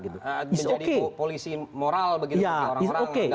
menjadi polisi moral begitu orang orang dapatnya begitu